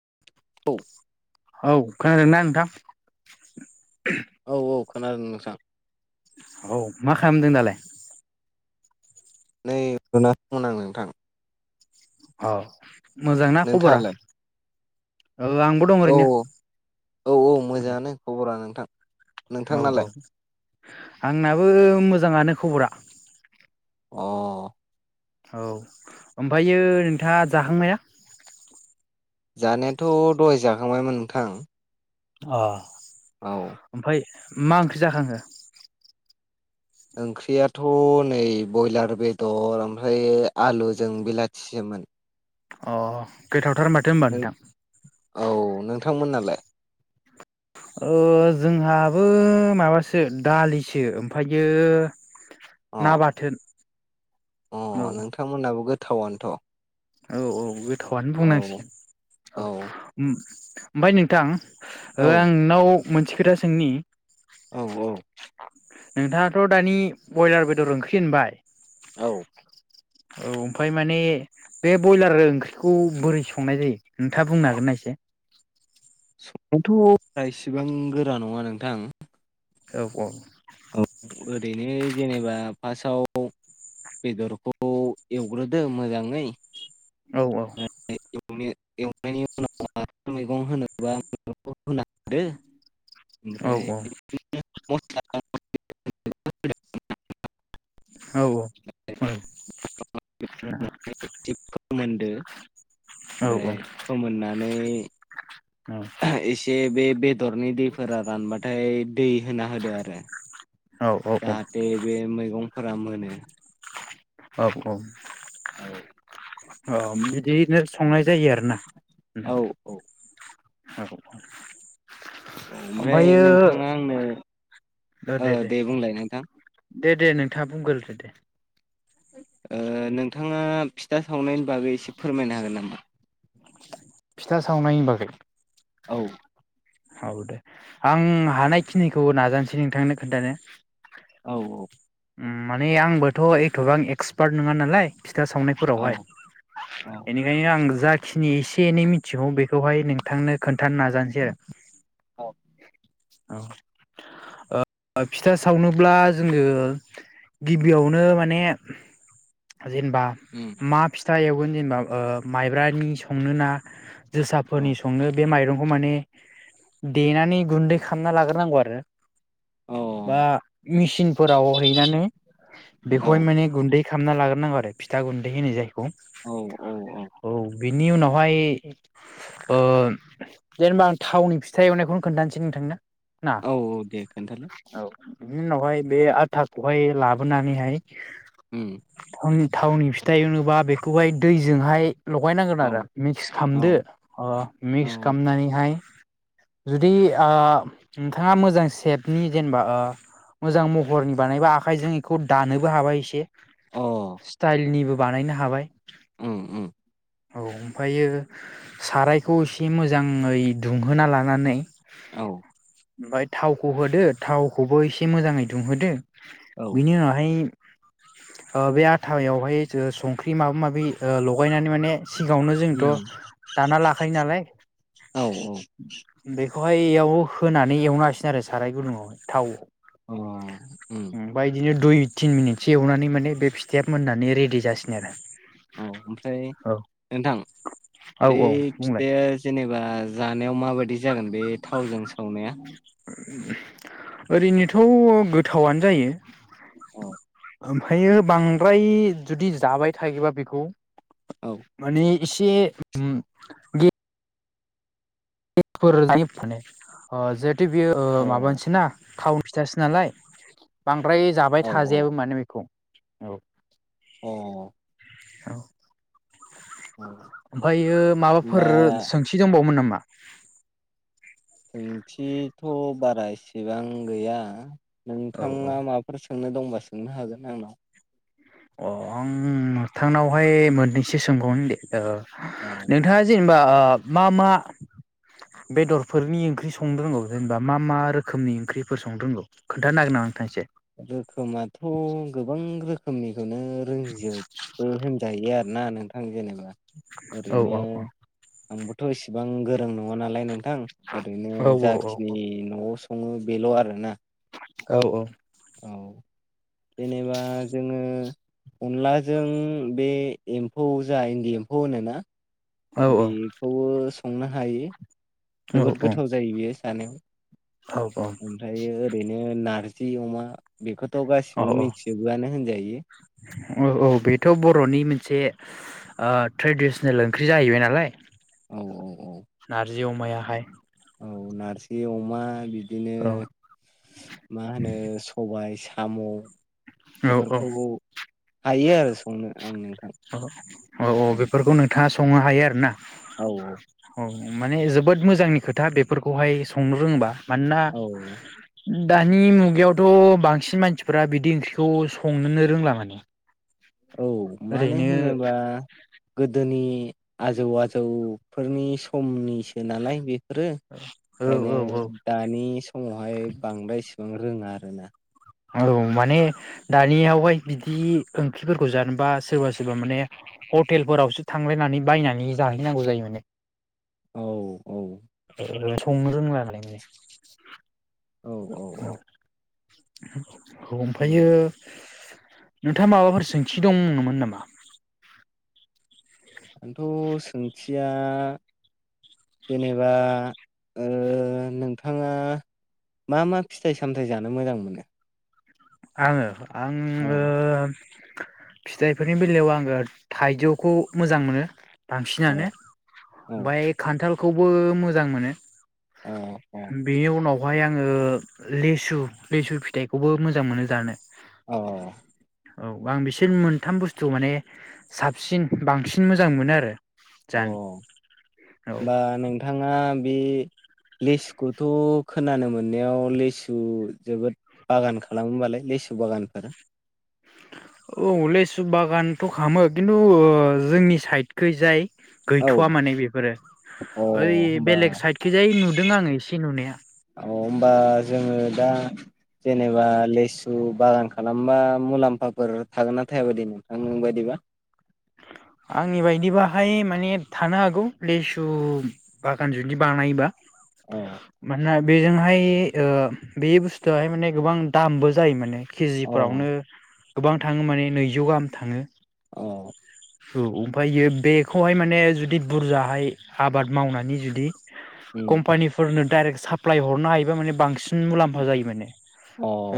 [inaudible] औ खोनादों ना नोंथां? औ औ खोनादों नोंथां। औ मा खालामदों दालाय? नै उन्दुना दं आं नोंथां। अ मोजांना खबरा? नोंथाङालाय औ आंबो दं औ ओरैनो। औ औ मोजाङानो खबरा नोंथां औ औ नोंथांनालाय आंनाबो मोजाङानो खबरा। अ। औ ओमफ्रायो नोंथाङा जाखांबायना? जानायाथ' दहाय जाखांबायमोन नोंथां। अ। औ। ओमफ्राय मा ओंख्रि जाखांखो? ओंख्रियाथ' नै बयलार बेदर ओमफ्राय आलुजों बिलाथिजों मोन। अ गोथावथार माथो होमबा नोंथां। औ नोंथांमोनना लाय? [inaudible] ओ जोंहाबो माबासो दालिसो ओमफ्रायो ना अ बाथोन। औ अ नोंथांमोनहाबो गोथावानोथ'। औ औ गोथावानो औ बुंनांसिगोन औ ओम-ओमफ्राय नोंथां औ ओ आं नोंनाव मोनसे खोथा सोंनि। औ औ नोंथाङाथ दानि बयलार बेदर ओंख्रि होनबाय औ औ ओमफाय माने बे बयलार ओंख्रिखौ बोरै संनाय जायो नोंथाङा बुंनो हागोन ना? एसे संनायाथ बारा इसिबां गोरा नङा नोंथां औ औ औ ओरैनो जेनेबा फासआव बेदरखौ एवग्रोदो मोजाङै औ औ नो एवनायनि उनाव मैगं होनोबा मैगं होना होदो औ औ ओमफ्राय [unintelligible] औ औ [inaudible] फोमोनदो ओमफ्राय फोमोननानै एसे बे बेदरनि दैफोरा रानबाथाय दै होना होदो आरो जाहाथे बे मैगंफोरा मोनो औ औ औ औ बिदिनो संनाय जायो आरोना औ औ नोंथां औ औ औ ओमफ्राय ओमफ्रायो औ नोंथाङा आंनो ओ दे बुंलाय नोंथां दे दे नोंथाङा बुंगोरदो दे ओ नोंथाङा फिथा सावनायनि बागै एसे फोरमायनो हागोन नामा? फिथा सावनायनि बागै औ औ दे आं हानायखिनिखौ नाजानोसै नोंथांनो खोन्थानो। औ औ उम माने आंबोथ एथबां एक्सपार्ट नोङा नालाय फिथा सावनायफोरावहाय औ औ बेनिखायनो आं जाखिनि एसे एनै मिथिगौ बेखौहाय नोंथांनो खोन्थानो नाजानोसै आरो। औ औ ओ फिथा सावनोब्ला जोङो गिबियावनो माने जेनेबा उम मा फिथा एवगोन जेनेबा ओ माइब्रानि संनो ना? औ जोसाफोरनि संनो बे माइरंखौ माने देनानै गुन्दै खालामना लाग्रोनांगौ आरो। औ बा मेचिनफोराव हैनानै औ बेखौहाय माने गुन्दै खालामना लागोर नांगौ आरो फिथा गुन्दै होनो जायखौ औ बिनि उनावहाय ओ जेनेबा आं थावनि फिथा एवनायखौनो खोनथानोसै नोंथांनो ना औ औ दे खोन्थालाय। औ उनावहाय बे आथाखौहाय लाबोनानैहाय उम थावनि थावनि फिथा एवनोबा बेखौहाय दैजोंहाय लगायनांगोन औ आरो मिक्स खालामदो औ ओ मिक्स औ खालामनानैहाय जुदि आ नोंथाङा मोजां सेपनि जेनेबा ओ मोजां महरनि बानायबा आखाइजों एखौ दानोबो हाबाय एसे अ स्टाइलनिबो बानायनो हाबाय। उम उम औ ओमफ्रायो सारायखौ एसे मोजाङै दुंहोना लानानै औ। ओमफाय थावखौ होदो थावखौबो एसे मोजाङै दुंहोदो। औ बिनि उनावहाय ओ बे आथायावहाय जो संख्रि माबा माबि ओ लगायनानै माने सिगावनो जोंथ' उम दाना लाखायो नालाय। औ बेख खौहाय इयाव होनानै एवनो हासिगोन आरो साराय गुदुङावहाय थाव अ उम बायदिनो दुइ थिन मिनिथसो एवनानै माने बे फिथाया मोननानै रेडि जासिगोन आरो। औ ओमफ्राय नोंथां औ बे औ बुंलाय फिथाया जेनेबा जानायाव माबायदि जागोन बे थावजों सावनाया? ओरैनोथ' गोथाव आनो जायो। औ ओमफायो बांद्राय जुदि जाबाय थायोबा बेखौ औ माने एसे उम गे [unintelligible] फोर जायो फाने ओ जोहाथे बियो औ माबानिसोना थावनि फिथासो नालाय बांद्राय जाबाय औ थाजायाबो माने बेखौ औ। अ' औ फायो माबाफोर होमबा सोंथि दंबावोमोन नामा? सोंथिथ' बारा एसेबां गैया औ नोंथाङा माबाफोर सोंनो दंबा सोंनो हागोन आंनाव। अ' आं नोथांनावहाय मोननैसो सोंबावनो दे ओ औ नोंथाङा जे बा मा मा बेदरफोरनि ओंख्रि संनो रोंबा जेनेबा मा मा रोखोमनि ओंख्रिफोर संनो रोंगौ खोन्थानो हागोन नामा नोंथाङा एसे? रोखोमाथ' गोबां रोखोमनिखौनो रोंजोबबो होनजायो आरो ना नोंथां जेनेबा औ ओरैनो आं बोथ' इसेबां गोरों नङा नालाय नोंथां ओरैनो औ औ जाखिनि न'आव सङो बेल' आरोना। औ औ औ [inaudible] जेनेबा जोङो अनलाजों बे एम्फौ जा इन्दि एम्फौ होनोना। औ बेखौबो संनो हायो। जोबोद गोथाव जायो बेयो जानो। औ ओमफ्रायो ओरैनो नारजि अमा बेखो अ' औ औ औ बेथ' बर'नि मोनसे ओ ट्रेडिसनेल ओंख्रि जाहैबाय नालाय। औ औ औ जिउ मायाहाय औ नारजि अमा बिदिनो औ मा होनो सबाय सा साम' औ औ एफोरखौ हायो आरो संनो आङो। औ औ बेफोरखौ नोंथाङा संनो हायो आरो ना? औ औ। औ माने जोबोद मोजांनि खोथा बेफोरखौहाय संनो रोङोबा। मानोना औ दानि मुगायावथ' बांसिन मानसिफ्रा बिदि ओंख्रिखौ संनोनो रोंला माने। औ मानो ओरैनो होनोबा गोदोनि आजौ आजौफोरनि समनिसो नालाय बे फोरो औ औ ओंखायनो औ दानि समावहाय बांद्राय इसेबां रोङा आरोना। औ माने दानियावहाय बिदि ओंख्रिफोरखौ जानोबा सोरबा सोरबा माने हटेल फोरावसो थांलायनानै बायनानै जाहैक्षनांगौ जायो माने। औ औ संनो रोंला नालाय माने। औ औ औ औ उम ओमफ्रायो नोंथाङा माबाफोर सोंथि दंमोन नामा दंथ' सोंथिया जेनेबा नोंथाङा मा मा फिथाइ सामथायाइ जानो मोजां मोनो आङो आङो औ फिथाइफोरनि बेलायाव आङो थाइजौखौ मोजां मोनो बांसिनानो औ औ ओमफ्राय खान्थालखौबो मोजां मोनो। अ अ बेवहाय आङो लेसु लेसु फिथाइखौबो मोजां मोनो जानो। औ औ आं बिसोर मोनथाम बुस्थु माने साबसिन बांसिन मोजां मोनो आरो। अ जानो औ होमबा नोंथाङा बि लेसुखौथ' खोनानो मोननायाव लेसु जोबोद बागान खालामो बालाय लेसु बागानफोरा औ लेसु बागानथ' खामो खिन्थु जोंनि साइदखै जाय औ गैथ'वा माने बेफोरो अ ओइ होमबा बेलेग साइदखैजाय नुदों आङो एसे नुनाया अ होमबा जोङो दा जेनेबा लिसु बागान खालामबा मुलाम्फाफोर थागोन ना थाया बायदि नोंथां नों बायदिबा आंनि बायदिबाहाय माने थानो हागौ लेसु बागान जुदि बानायोबा अ मानोना बेजोंहाय ओ बे बुस्थुवहाय माने गोबां दामबो जायो माने अ केजिफ्रावनो गोबां थाङो माने नैजौ गाहाम थाङो। अ औ औ ओमफ्रायो बेखौहाय माने जुदि बुरजाहाय आबाद मावनानै जुदि कम्पानिफोरनो डाइरेक्ट साप्लायइ हरनो हायोबा मान बां सिन मुलाम्फा जायो माने‌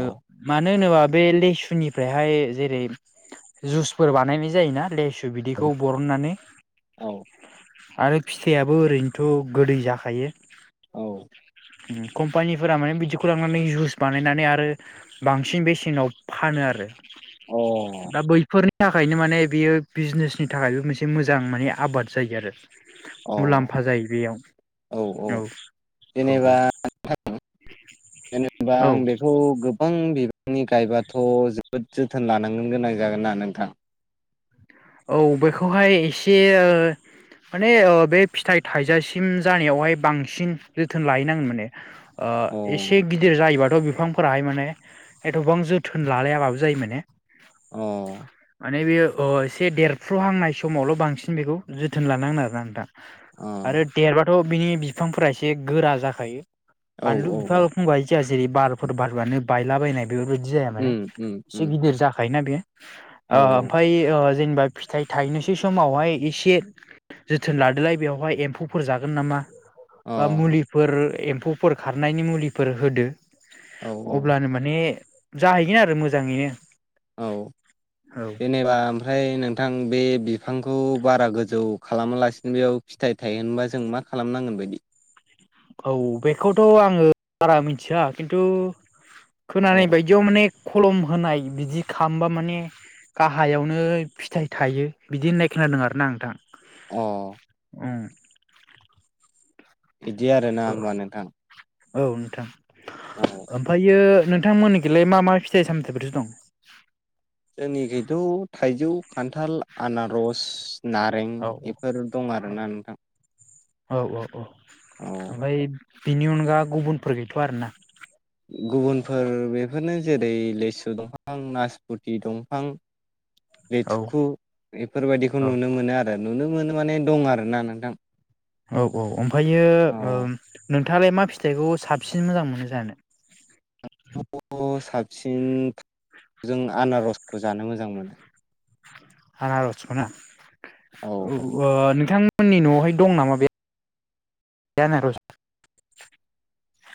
ओ मा नो होनोबा बे लेसुनिफ्रायहाय जेरै जुसफोर बानायनाय जायोना‌ लेसु बिदैखौ बरननानै? अ आरो फिथाइयाबो ओरैनोथ' गोदै जाखायो। औ उम कम्पानिफोरा माने बिदिखौ लांनानै जुइस बानायनानै आरो बांसिन बेसेनाव फानो आरो। औ दा बैफोरनि थाखायनो माने बियो बिजनेसनि थाखायबो मोनसे मोजां माने आबाद जायो आरो। मुलाम्फा जायो बेयाव औ औ जेनेबा औ। जेनेबा आं बेखौ गोबां बि बांनि गायबाथ' जोबोद जोथोन लानांगोन गोनां जागोन ना नोंथां? औ बेखौहाय एसे ओ माने ओ बे फिथाइ थाइजासिम जानायावहाय बांसिन जोथोन लाहै नाङो माने। ओ अ एसे गिदिर जायोबाथ' बि फांफोराहाय माने एथ'बां जोथोन लालायाबाबो जायो माने। अ माने बेयो ओ एसे देरफ्रु हांनाय समावल' बांसिन बेखौ जोथोन लानांगोन आरोना नोंथां। अ आरो देरबाथ' बिनि बिफांफोरा एसे गोरा जाखायो। औ बानलु औ बिफां औ रखम बादि जाया जेरै बारफोर बारबानो बायला बायनाय बेफोरबायदि जाया माने। उम उम एसे उम गिदिर जाखायोना बेयो? ओ औ औ ओमफ्राय ओ जेनेबा फिथाइ थायनोसै समावहाय एसे जोथोन लादोलाय बेवहाय एम्फौफोर जागोन नामा? अ बा मुलिफोर एम्फौफोर खारनायनि मुलिफोर होदो। औ औ अब्लानो माने जाहैगोन आरो मोजाङैनो। औ जेनेबा ओमफ्राय नों थां बे बिफांखौ बारा गोजौ खालामालासिनो बेयाव फिथाइ थायहोनबा जों मा खालामनांगोन बायदि? [inaudible] औ बेखौथ' आङो बारा मिथिया खिन्थु खोनानाय अ बायदियाव माने खलम होनाय बिदि खालामबा माने गाहायावनो फिथाइ थायो बिदि होननाय खोनादों आरोना नोंथां। अ। उम। बिदि आरोना औ होमबा नोंथां? औ नोंथां। औ ओमफ्रायो नोंथांमोननिखैलाय मा मा फिथाइ सामथाइफोर दं? जोंनि गैथ' थाइजौ, खान्थाल, आनारस, नारें औ बेफोर दं आरोना नोंथां। औ औ औ औ ओमफ्राय बिनि अनगा गुबुनफोर गैथ'आ आरोना? गुबुनफोर बेफोरनो जेरै लेसु दंफां, नासपुथि दंफां, औ लेथुखु बेफोरबायदिखौ औ नुनो मोनो आरो। नुनो मोनो माने दं आरोना नोंथां। औ औ ओमफायो औ ओ नों थाङालाय मा फिथाइखौ साबसिन मोजां मोनो जानो? [inaudible] साबसिन जों आनारसखौ जानो मोजां मोनो‌। आनारसखौ ना? औ ओ नोंथां मोननि न'आवहाय दं नामा बे आनारस आ?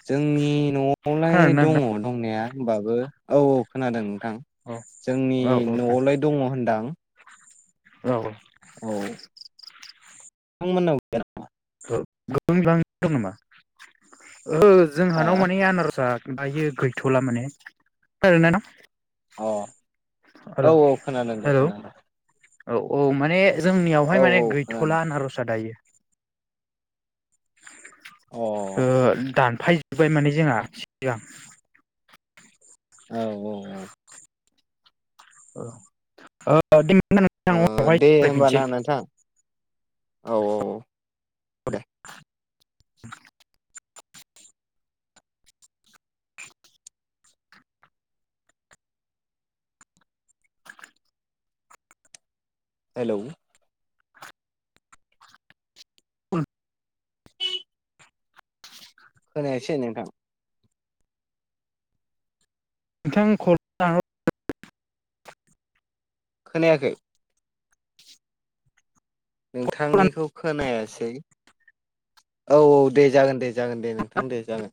जोंनि न'आवलाय दङ नोंथां? दंनाया होमबाबो औ औ खोनादों‌। [unintelligible] जोंनि औ औ न'आवलाय दङ होनदां औ औ नोंथांमोननाव गैया नामा? [inaudible] जोंहानाव मानि आनारसा दायो गैथ'ला माने [inaudible] अ औ हेल' औ खोनादों दे हेल' खोनादों। औ औ माने औ जोंनियावहाय औ माने खोनादों गैथ'ला आनारसा दायो। अ ओ औ दानफायजोबबाय माने जोंहा सिगां औ औ औ ओ दे [inaudible] होमबाना नोंथां औ औ [inaudible] दे [unintelligible] हेलौ खोनायासै नोंथां नोंथां [inaudible] खोनायाखै नोंथांनिखौ खोनायासै औ औ दे जागोन दे जागोन दे नोंथां दे जागोन।